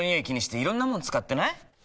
気にしていろんなもの使ってない？